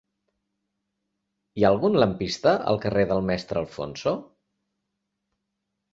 Hi ha algun lampista al carrer del Mestre Alfonso?